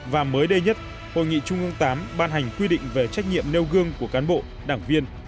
và mới đây nhất hội nghị trung ương viii ban hành quy định về trách nhiệm nêu gương của cán bộ đảng viên